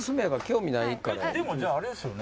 でもじゃああれですよね。